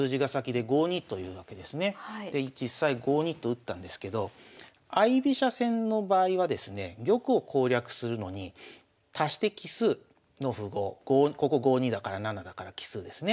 で実際５二と打ったんですけど相居飛車戦の場合はですね玉を攻略するのに足して奇数の符号ここ５二だから７だから奇数ですね。